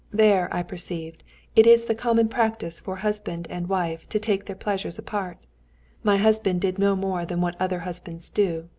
There, I perceived, it is the common practice for husband and wife to take their pleasures apart. My husband did no more than what other husbands do.